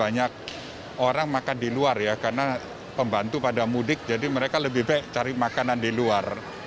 banyak orang makan di luar ya karena pembantu pada mudik jadi mereka lebih baik cari makanan di luar